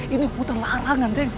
ini hutan larangan den